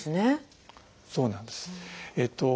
そうなんです。